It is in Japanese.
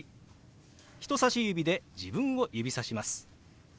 人さし指で自分を指さします。